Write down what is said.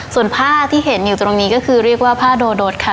ส่วนผ้าที่เห็นอยู่ตรงนี้ก็คือเรียกว่าผ้าโดโดสค่ะ